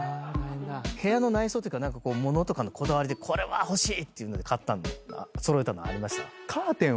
部屋の内装物とかのこだわりでこれは欲しいって買ったの揃えたのありました？